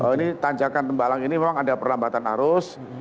ini tanjakan tembalang ini memang ada perlambatan arus